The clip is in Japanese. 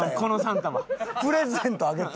プレゼントあげて。